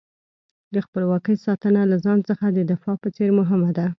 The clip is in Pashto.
د خپلواکۍ ساتنه له ځان څخه د دفاع په څېر مهمه ده.